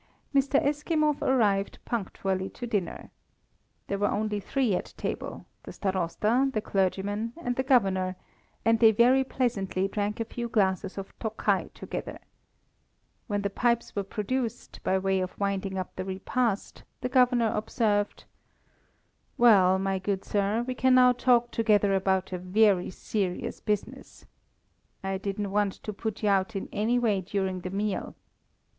Mr. Eskimov arrived punctually to dinner. There were only three at table the Starosta, the clergyman, and the Governor and they very pleasantly drank a few glasses of Tokai together. When the pipes were produced, by way of winding up the repast, the Governor observed "Well, my good sir, we can now talk together about a very serious business. I didn't want to put you out in any way during the meal.